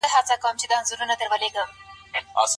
ایا نور ټول شرونه تر طلاق او بېلتون کوچني دي؟